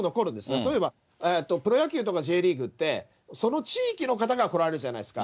例えば、プロ野球とかＪリーグって、その地域の方が来られるじゃないですか。